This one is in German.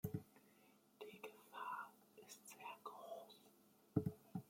Die Gefahr ist sehr groß.